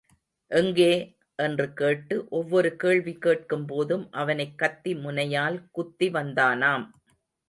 எங்கே?, என்று கேட்டு, ஒவ்வொரு கேள்வி கேட்கும் போதும் அவனைக் கத்தி முனையால் குத்தி வந்தானாம்.